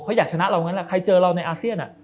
เขาอยากชนะเรางั้นแหละใครเจอเราในอาเซียน